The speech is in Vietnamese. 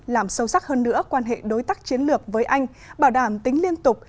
làm sâu sắc hơn nữa quan hệ đối tác chiến lược với anh bảo đảm tính liên tục